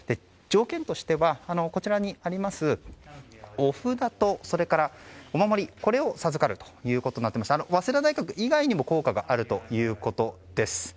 条件としてはこちらにありますお札と、それからお守りを授かるということになっていて早稲田大学以外にも効果があるということです。